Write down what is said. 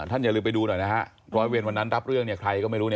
อย่าลืมไปดูหน่อยนะฮะร้อยเวรวันนั้นรับเรื่องเนี่ยใครก็ไม่รู้